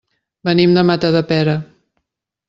Venim de Matadepera.